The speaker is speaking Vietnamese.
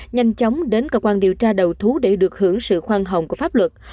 nhanh chóng đến cơ quan điều tra đầu thú để được hưởng sự khoan hồng của pháp luật